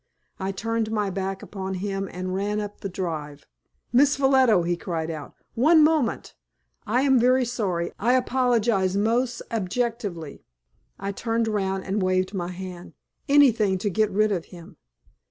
I turned my back upon him and ran up the drive. "Miss Ffolliot," he cried out, "one moment; I am very sorry. I apologize most abjectly." I turned round and waved my hand. Anything to get rid of him.